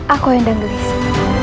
aku yang dengar isu